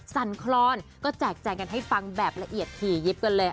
สั่นคลอนก็แจกแจงกันให้ฟังแบบละเอียดถี่ยิบกันเลย